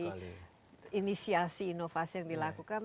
ini bukanlah inisiasi inovasi yang dilakukan